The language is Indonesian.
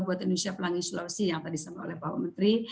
buat indonesia pelangi sulawesi yang tadi disampaikan oleh pak menteri